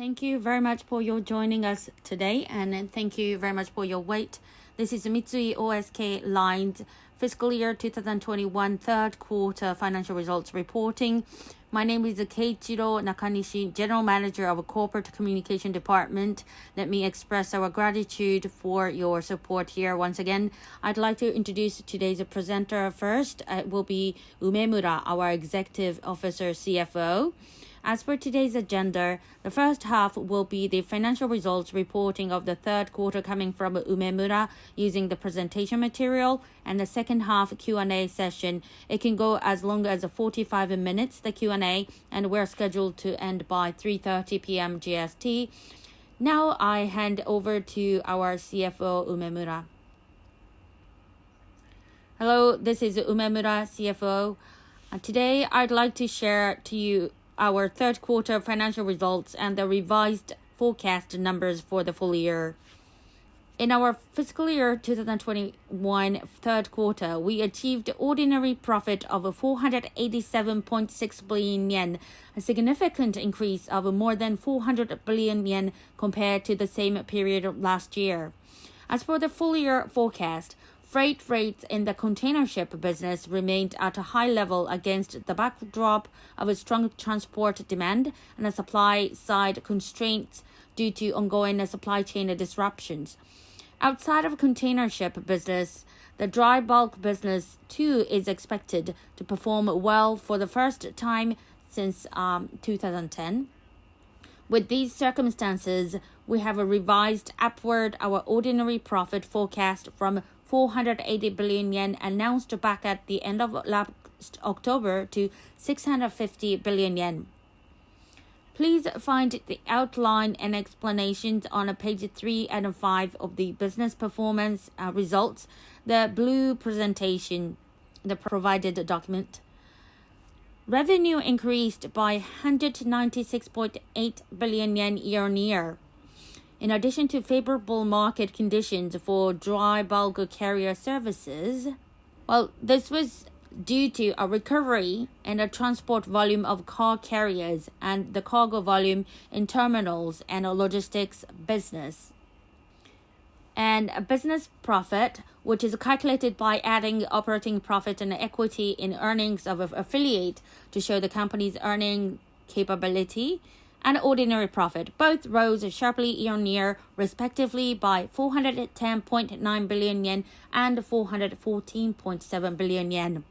Thank you very much for your joining us today, and thank you very much for your wait. This is Mitsui O.S.K. Lines' fiscal year 2021 Q3 financial results reporting. My name is Keiichiro Nakanishi, General Manager of Corporate Communication Division. Let me express our gratitude for your support here. Once again, I'd like to introduce today's presenter first. It will be Umemura, our Executive Officer CFO. As for today's agenda, the first half will be the financial results reporting of the Q3 coming from Umemura using the presentation material and the second half Q&A session. It can go as long as 45 minutes, the Q&A. We're scheduled to end by 3:30 P.M. JST. Now, I hand over to our CFO, Umemura. Hello, this is Umemura, CFO. Today I'd like to share to you our Q3 financial results and the revised forecast numbers for the full year. In our fiscal year 2021 Q3, we achieved ordinary profit of 487.6 billion yen, a significant increase of more than 400 billion yen compared to the same period last year. As for the full year forecast, freight rates in the container ship business remained at a high level against the backdrop of a strong transport demand and the supply side constraints due to ongoing supply chain disruptions. Outside of container ship business, the dry bulk business too is expected to perform well for the first time since 2010. With these circumstances, we have revised upward our ordinary profit forecast from 480 billion yen, announced back at the end of last October, to 650 billion yen. Please find the outline and explanations on page 3 and 5 of the business performance results, the blue presentation, the provided document. Revenue increased by 196.8 billion yen year-on-year. In addition to favorable market conditions for dry bulk carrier services, well, this was due to a recovery in the transport volume of car carriers and the cargo volume in terminals and a logistics business. Business profit, which is calculated by adding operating profit and equity in earnings of affiliate to show the company's earning capability, and ordinary profit both rose sharply year-on-year, respectively by 410.9 billion yen and 414.7 billion yen.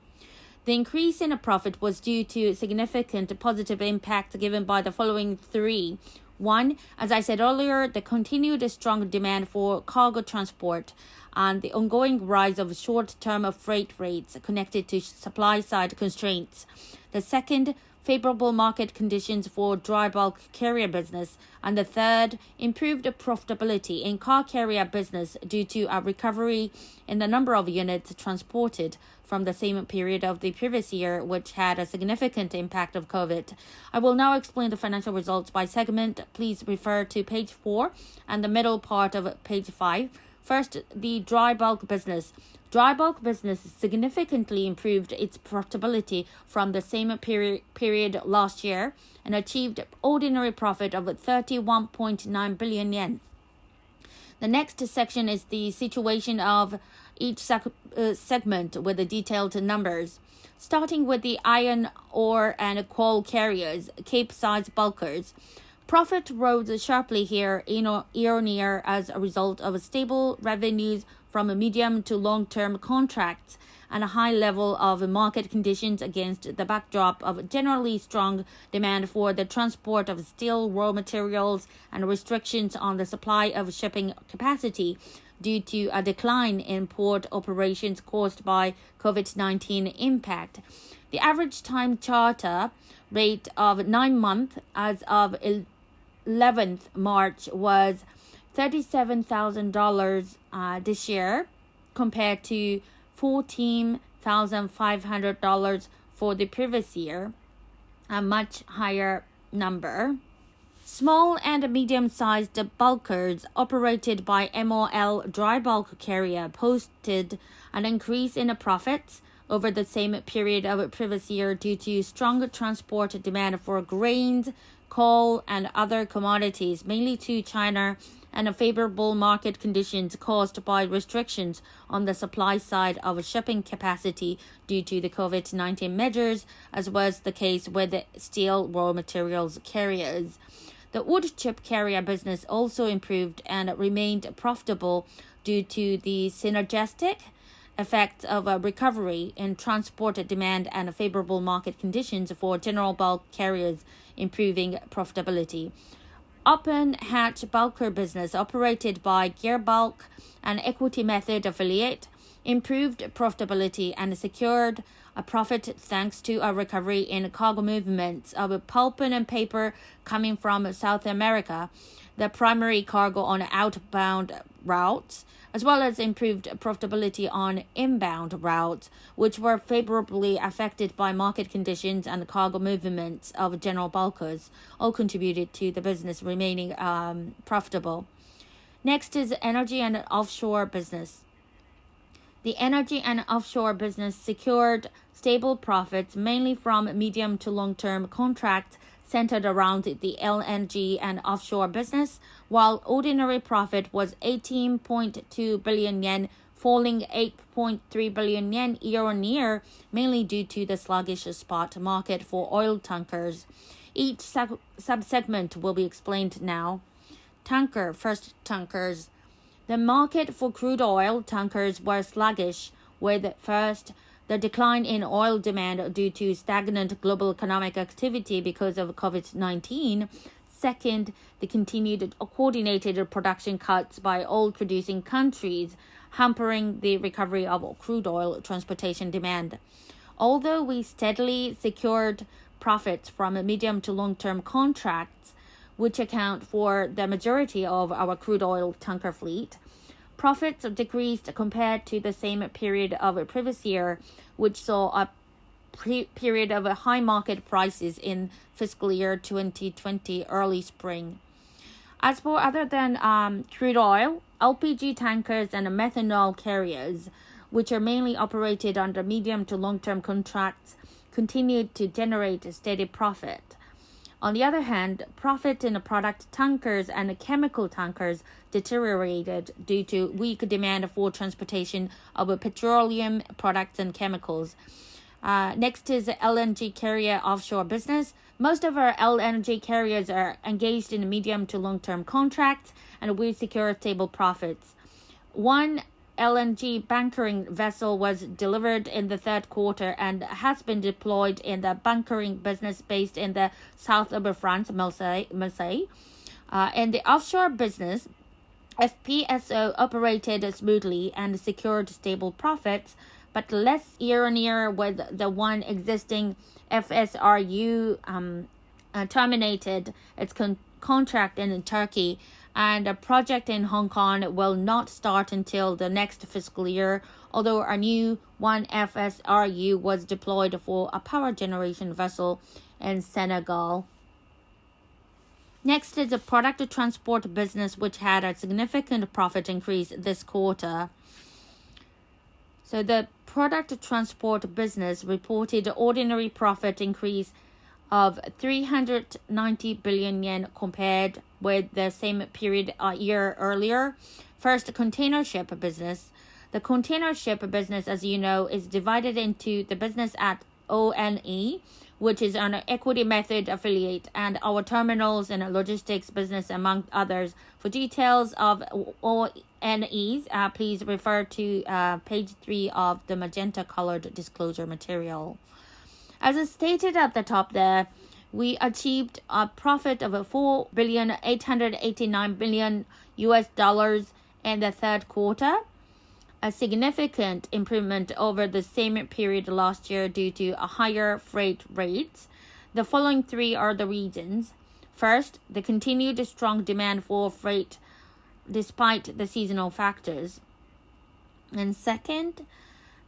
The increase in profit was due to significant positive impact given by the following three: one, as I said earlier, the continued strong demand for cargo transport and the ongoing rise of short-term freight rates connected to supply side constraints. The second, favorable market conditions for dry bulk carrier business. And the third, improved profitability in car carrier business due to a recovery in the number of units transported from the same period of the previous year, which had a significant impact of COVID. I will now explain the financial results by segment. Please refer to page 4 and the middle part of page 5. First, the dry bulk business. Dry bulk business significantly improved its profitability from the same period last year and achieved ordinary profit of 31.9 billion yen. The next section is the situation of each segment with the detailed numbers. Starting with the iron ore and coal carriers, Capesize bulkers. Profit rose sharply here year-on-year as a result of stable revenues from medium to long-term contracts and a high level of market conditions against the backdrop of generally strong demand for the transport of steel, raw materials and restrictions on the supply of shipping capacity due to a decline in port operations caused by COVID-19 impact. The average time charter rate of nine months as of 11 March was $37,000 this year, compared to $14,500 for the previous year, a much higher number. Small and medium-sized bulkers operated by MOL DryBulk posted an increase in profits over the same period of previous year due to strong transport demand for grains, coal and other commodities, mainly to China, and a favorable market conditions caused by restrictions on the supply side of shipping capacity due to the COVID-19 measures, as was the case with steel raw materials carriers. The woodchip carrier business also improved and remained profitable due to the synergistic effects of a recovery in transport demand and favorable market conditions for general bulk carriers improving profitability. Open hatch bulker business operated by Gearbulk and equity method affiliate improved profitability and secured a profit thanks to a recovery in cargo movements of pulp and paper coming from South America. Their primary cargo on outbound routes, as well as improved profitability on inbound routes, which were favorably affected by market conditions and cargo movements of general bulkers, all contributed to the business remaining profitable. Next is energy and offshore business. The energy and offshore business secured stable profits mainly from medium to long-term contracts centered around the LNG and offshore business. While ordinary profit was 18.2 billion yen, falling 8.3 billion yen year-on-year, mainly due to the sluggish spot market for oil tankers. Each sub-segment will be explained now. Tanker. First, tankers. The market for crude oil tankers was sluggish, with first, the decline in oil demand due to stagnant global economic activity because of COVID-19. Second, the continued coordinated production cuts by oil-producing countries, hampering the recovery of crude oil transportation demand. Although we steadily secured profits from medium- to long-term contracts, which account for the majority of our crude oil tanker fleet, profits have decreased compared to the same period of a previous year, which saw a period of high market prices in fiscal year 2020 early spring. As for other than crude oil, LPG tankers and methanol carriers, which are mainly operated under medium- to long-term contracts, continued to generate a steady profit. On the other hand, profit in the product tankers and the chemical tankers deteriorated due to weak demand for transportation of petroleum products and chemicals. Next is LNG carrier offshore business. Most of our LNG carriers are engaged in medium to long-term contracts, and we secure stable profits. One LNG bunkering vessel was delivered in the Q3 and has been deployed in the bunkering business based in the south of France, Marseille. In the offshore business, FPSO operated smoothly and secured stable profits, but less year-on-year with the one existing FSRU terminated its contract in Turkey, and a project in Hong Kong will not start until the next fiscal year. Although a new one FSRU was deployed for a power generation vessel in Senegal. Next is the product transport business, which had a significant profit increase this quarter. The product transport business reported ordinary profit increase of 390 billion yen compared with the same period a year earlier. First, container ship business. The container ship business, as you know, is divided into the business at ONE, which is an equity method affiliate, and our terminals and logistics business, among others. For details of ONE, please refer to page 3 of the magenta colored disclosure material. As I stated at the top there, we achieved a profit of $4.889 billion in the Q3, a significant improvement over the same period last year due to higher freight rates. The following three are the reasons. First, the continued strong demand for freight despite the seasonal factors. Second,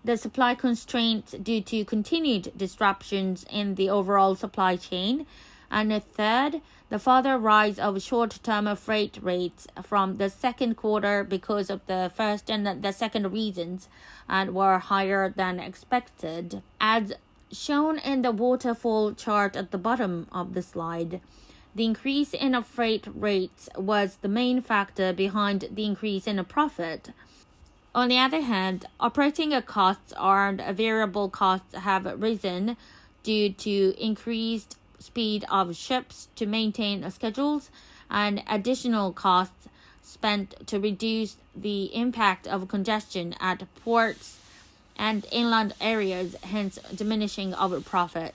the supply constraints due to continued disruptions in the overall supply chain. Third, the further rise of short-term freight rates from the Q2 because of the first and the second reasons and were higher than expected. As shown in the waterfall chart at the bottom of the slide, the increase in freight rates was the main factor behind the increase in profit. On the other hand, operating costs and variable costs have risen due to increased speed of ships to maintain schedules and additional costs spent to reduce the impact of congestion at ports and inland areas, hence diminishing our profit.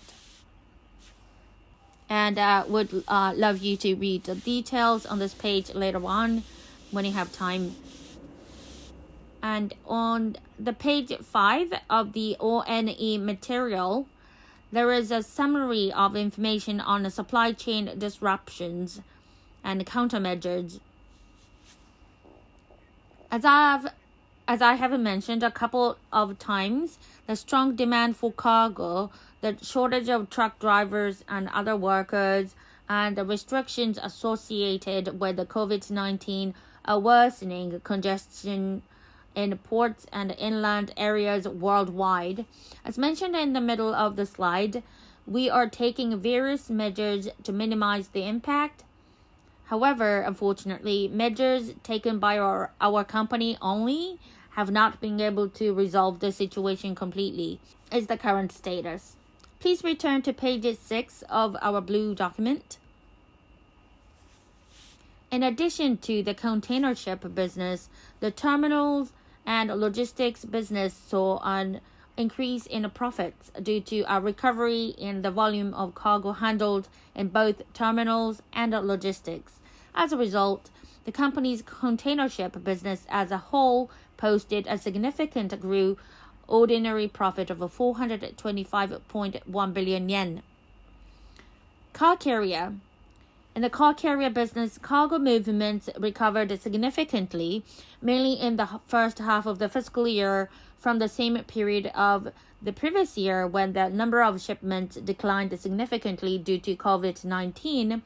Would love you to read the details on this page later on when you have time. On page 5 of the ONE material, there is a summary of information on the supply chain disruptions and countermeasures. As I have mentioned a couple of times, the strong demand for cargo, the shortage of truck drivers and other workers, and the restrictions associated with the COVID-19 are worsening congestion in ports and inland areas worldwide. As mentioned in the middle of the slide, we are taking various measures to minimize the impact. However, unfortunately, measures taken by our company only have not been able to resolve the situation completely. That is the current status. Please return to page six of our blue document. In addition to the container ship business, the terminals and logistics business saw an increase in profits due to a recovery in the volume of cargo handled in both terminals and logistics. As a result, the company's container ship business as a whole posted a significantly greater ordinary profit of 425.1 billion yen. Car carrier. In the car carrier business, cargo movements recovered significantly, mainly in the first half of the fiscal year from the same period of the previous year when the number of shipments declined significantly due to COVID-19.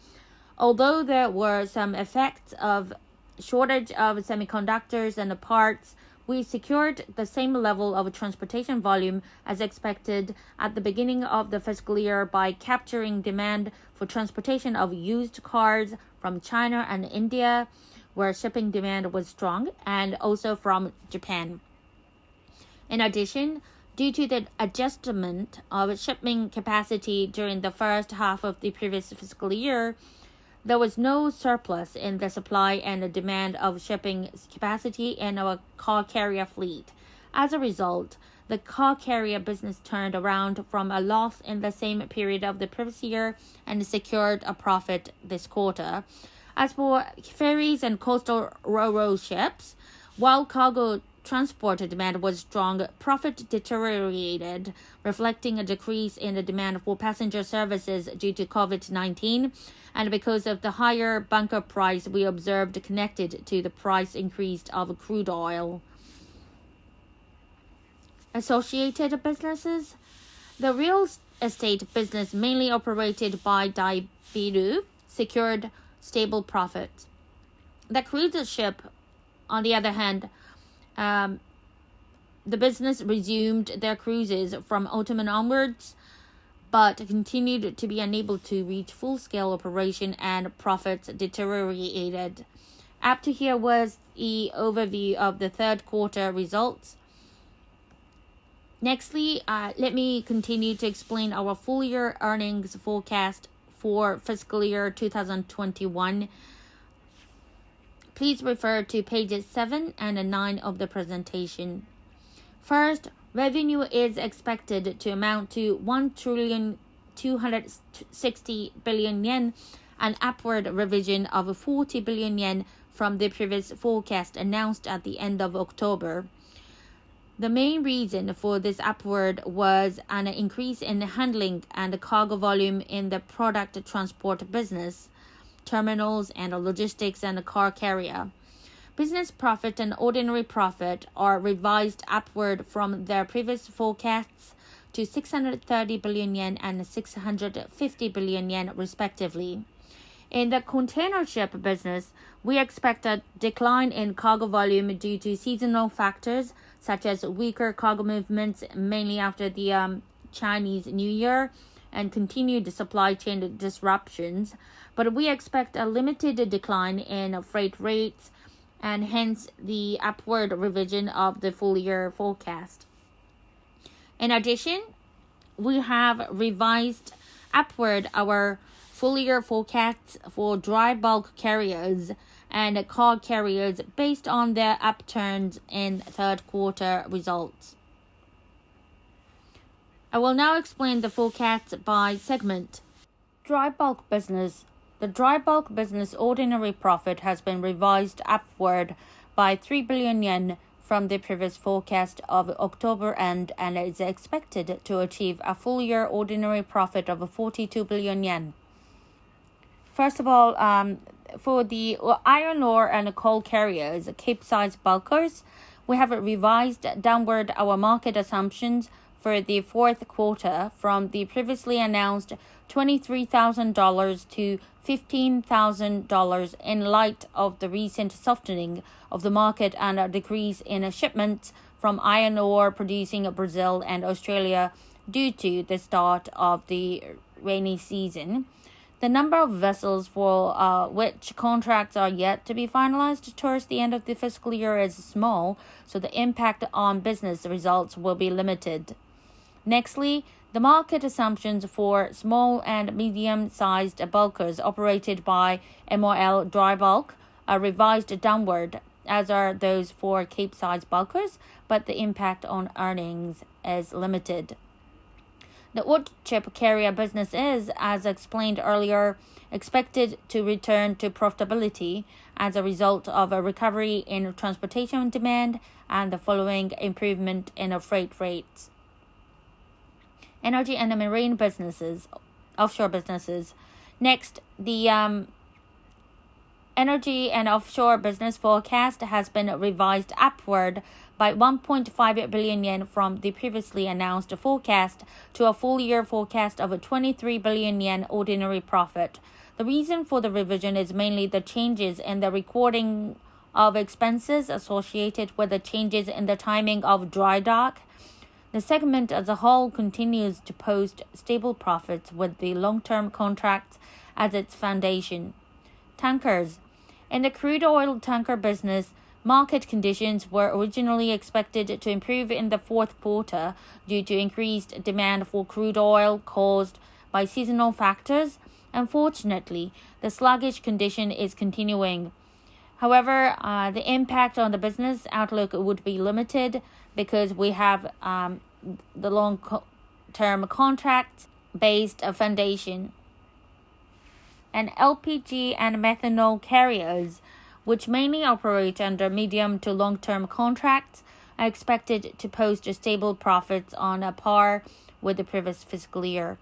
Although there were some effects of shortage of semiconductors and parts, we secured the same level of transportation volume as expected at the beginning of the fiscal year by capturing demand for transportation of used cars from China and India, where shipping demand was strong, and also from Japan. In addition, due to the adjustment of shipping capacity during the first half of the previous fiscal year, there was no surplus in the supply and the demand of shipping capacity in our car carrier fleet. As a result, the car carrier business turned around from a loss in the same period of the previous year and secured a profit this quarter. As for ferries and coastal Ro-Ro ships, while cargo transport demand was strong, profit deteriorated, reflecting a decrease in the demand for passenger services due to COVID-19 and because of the higher bunker price we observed connected to the price increase of crude oil. Associated businesses. The real estate business mainly operated by Daibiru secured stable profit. The cruise ship, on the other hand, the business resumed their cruises from autumn onwards, but continued to be unable to reach full-scale operation and profits deteriorated. Up to here was an overview of the Q3 results. Next, let me continue to explain our full year earnings forecast for fiscal year 2021. Please refer to pages 7 and 9 of the presentation. First, revenue is expected to amount to 1.26 trillion, an upward revision of 40 billion yen from the previous forecast announced at the end of October. The main reason for this upward was an increase in the handling and the cargo volume in the product transport business, terminals and logistics and car carrier. Business profit and ordinary profit are revised upward from their previous forecasts to 630 billion yen and 650 billion yen respectively. In the container ship business, we expect a decline in cargo volume due to seasonal factors, such as weaker cargo movements, mainly after the Chinese New Year and continued supply chain disruptions. We expect a limited decline in freight rates and hence the upward revision of the full year forecast. In addition, we have revised upward our full year forecasts for dry bulk carriers and car carriers based on their upturns in Q3 results. I will now explain the forecast by segment. Dry bulk business. The dry bulk business ordinary profit has been revised upward by 3 billion yen from the previous forecast of October, and is expected to achieve a full year ordinary profit of 42 billion yen. First of all, for the iron ore and coal carriers Capesize bulkers, we have revised downward our market assumptions for the Q4 from the previously announced $23,000 to $15,000 in light of the recent softening of the market and a decrease in shipments from iron ore producing Brazil and Australia due to the start of the rainy season. The number of vessels for which contracts are yet to be finalized towards the end of the fiscal year is small, so the impact on business results will be limited. Next, the market assumptions for small and medium-sized bulkers operated by MOL Drybulk are revised downward, as are those for Capesize bulkers, but the impact on earnings is limited. The woodchip carrier business is, as explained earlier, expected to return to profitability as a result of a recovery in transportation demand and the following improvement in our freight rates. Energy and marine businesses, offshore businesses. Next, the energy and offshore business forecast has been revised upward by 1.5 billion yen from the previously announced forecast to a full year forecast of a 23 billion yen ordinary profit. The reason for the revision is mainly the changes in the recording of expenses associated with the changes in the timing of dry dock. The segment as a whole continues to post stable profits with the long-term contracts as its foundation. Tankers. In the crude oil tanker business, market conditions were originally expected to improve in the Q4 due to increased demand for crude oil caused by seasonal factors. Unfortunately, the sluggish condition is continuing. However, the impact on the business outlook would be limited because we have the long-term contracts-based foundation. LPG and methanol carriers, which mainly operate under medium to long-term contracts, are expected to post stable profits on par with the previous fiscal year.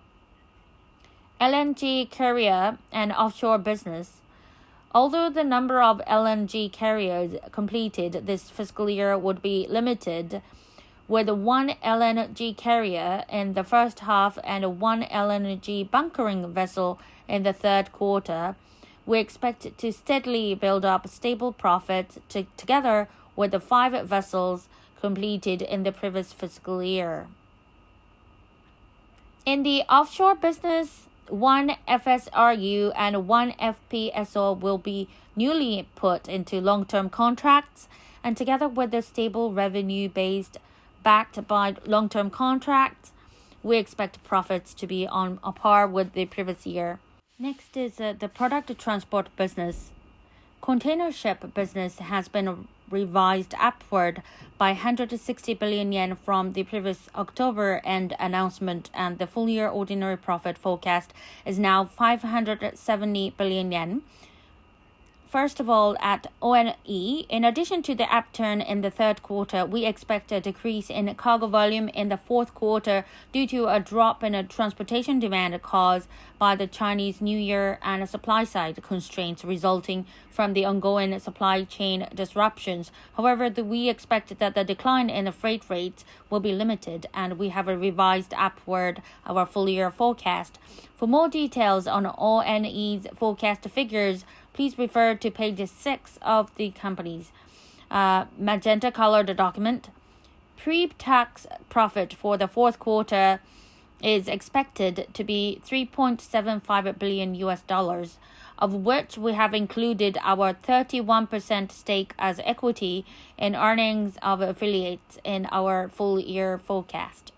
LNG carrier and offshore business. Although the number of LNG carriers completed this fiscal year would be limited, with one LNG carrier in the first half and one LNG bunkering vessel in the Q3, we expect to steadily build up stable profit together with the five vessels completed in the previous fiscal year. In the offshore business, one FSRU and one FPSO will be newly put into long-term contracts and together with a stable revenue base backed by long-term contracts, we expect profits to be on par with the previous year. Next is the product transport business. Container ship business has been revised upward by 160 billion yen from the previous October announcement, and the full year ordinary profit forecast is now 570 billion yen. First of all, At ONE, in addition to the upturn in the Q3, we expect a decrease in cargo volume in the Q4 due to a drop in a transportation demand caused by the Chinese New Year and a supply side constraints resulting from the ongoing supply chain disruptions. However, we expect that the decline in the freight rates will be limited, and we have revised upward our full year forecast. For more details on ONE's forecast figures, please refer to page 6 of the company's magenta colored document. Pre-tax profit for the Q4 is expected to be $3.75 billion, of which we have included our 31% stake as equity in earnings of affiliates in our full year forecast.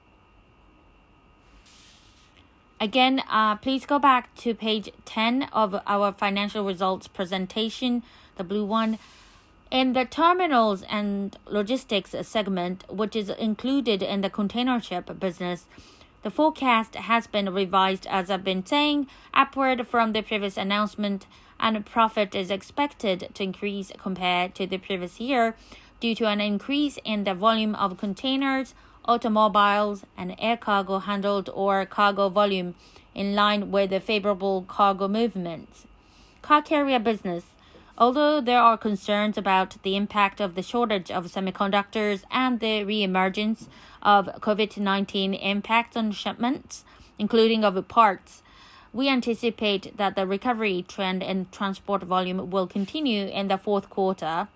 Again, please go back to page 10 of our financial results presentation, the blue one. In the terminals and logistics segment, which is included in the container ship business, the forecast has been revised, as I've been saying, upward from the previous announcement, and profit is expected to increase compared to the previous year due to an increase in the volume of containers, automobiles, and air cargo handled or cargo volume in line with the favorable cargo movements. Car carrier business. Although there are concerns about the impact of the shortage of semiconductors and the reemergence of COVID-19 impact on shipments, including of parts, we anticipate that the recovery trend and transport volume will continue in the Q4.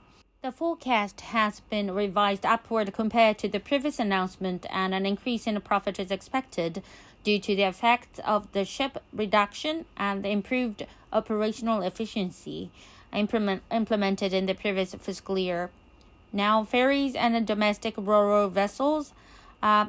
The forecast has been revised upward compared to the previous announcement, and an increase in profit is expected due to the effects of the ship reduction and the improved operational efficiency implemented in the previous fiscal year. Now, ferries and domestic RoRo vessels.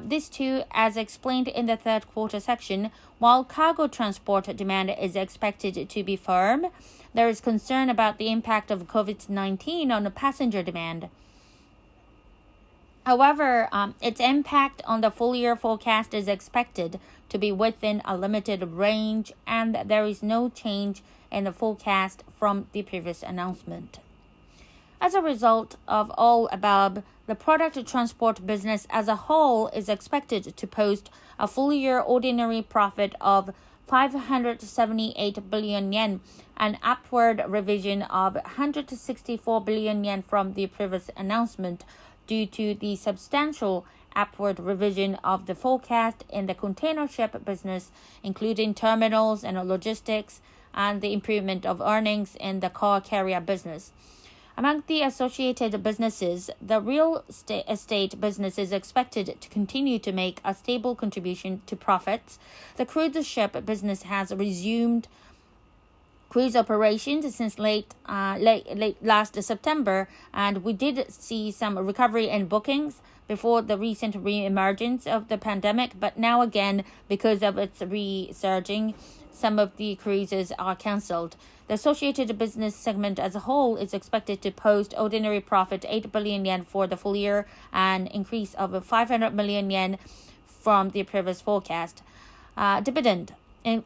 These two, as explained in the Q3 section, while cargo transport demand is expected to be firm, there is concern about the impact of COVID-19 on passenger demand. However, its impact on the full year forecast is expected to be within a limited range, and there is no change in the forecast from the previous announcement. As a result of all above, the product transport business as a whole is expected to post a full year ordinary profit of 578 billion yen, an upward revision of 164 billion yen from the previous announcement due to the substantial upward revision of the forecast in the container ship business, including terminals and logistics and the improvement of earnings in the car carrier business. Among the associated businesses, the real estate business is expected to continue to make a stable contribution to profits. The cruise ship business has resumed cruise operations since late last September, and we did see some recovery in bookings before the recent reemergence of the pandemic. Now again, because of its resurgence, some of the cruises are canceled. The associated business segment as a whole is expected to post ordinary profit 8 billion yen for the full year, an increase of 500 million yen from the previous forecast. In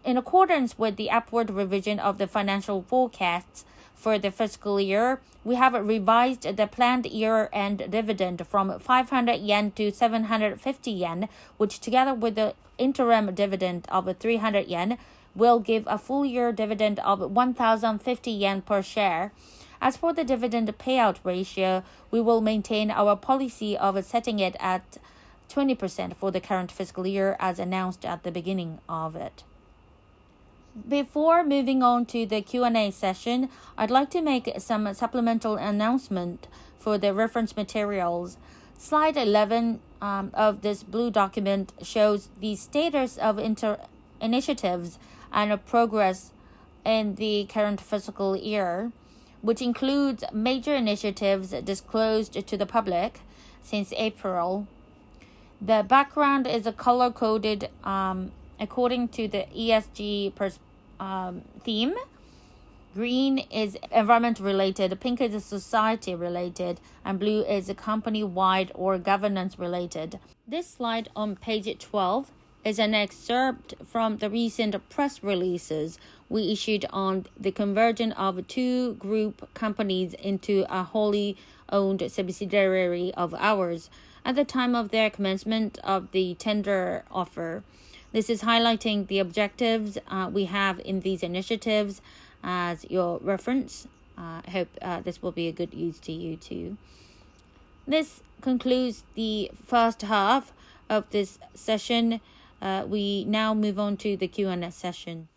accordance with the upward revision of the financial forecasts for the fiscal year, we have revised the planned year-end dividend from 500 yen to 750 yen, which together with the interim dividend of 300 yen, will give a full year dividend of 1,050 yen per share. As for the dividend payout ratio, we will maintain our policy of setting it at 20% for the current fiscal year as announced at the beginning of it. Before moving on to the Q&A session, I'd like to make some supplemental announcement for the reference materials. Slide 11 of this blue document shows the status of initiatives and progress in the current fiscal year, which includes major initiatives disclosed to the public since April. The background is color-coded according to the ESG theme. Green is environment-related, pink is society-related, and blue is company-wide or governance-related. This slide on page 12 is an excerpt from the recent press releases we issued on the conversion of two group companies into a wholly owned subsidiary of ours at the time of their commencement of the tender offer. This is highlighting the objectives we have in these initiatives as your reference. I hope this will be a good use to you too. This concludes the first half of this session. We now move on to the Q&A session.